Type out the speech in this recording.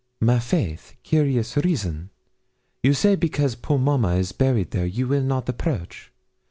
'My faith, curious reason; you say because poor mamma is buried there you will not approach!